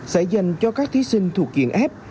sẽ dành cho các thí sinh thuộc diện ép